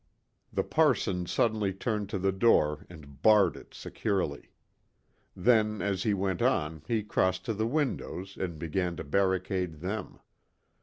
The parson suddenly turned to the door and barred it securely. Then, as he went on, he crossed to the windows, and began to barricade them.